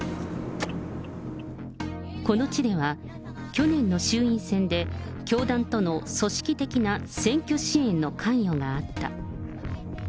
この地では、去年の衆院選で、教団との組織的な選挙支援の関与があった。